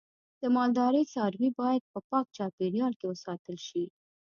د مالدارۍ څاروی باید په پاک چاپیریال کې وساتل شي.